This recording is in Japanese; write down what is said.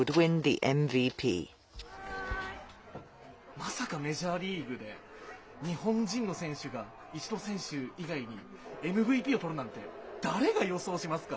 まさかメジャーリーグで、日本人の選手がイチロー選手以外にＭＶＰを取るなんて、誰が予想しますか。